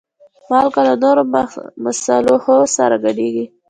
مالګه له نورو مصالحو سره ګډېږي.